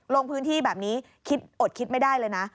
ลงพื้นที่แบบนี้คิดอดคิดไม่ได้เลยนะ